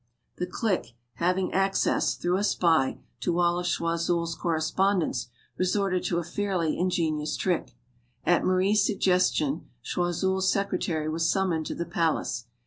The clique having access, through a spy, to all of Choiseul's correspondence resorted to a fairly in genious trick. At Marie's suggestion, Choiseul's sec retary was summoned to the palace.